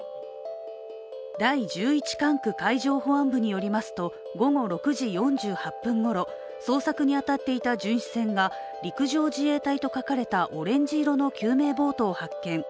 第十一管区海上保安本部によりますと午後６時４８分ごろ捜索に当たっていた巡視船が陸上自衛隊と書かれたオレンジ色の救命ボートを発見。